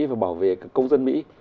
cho bảo vệ các công dân mỹ